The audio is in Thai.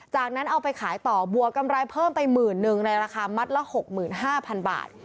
จากนั้นเอาไปขายต่อบวกกำไรเพิ่มไปหมื่นหนึ่งในราคามัดละ๖๕๐๐๐บาท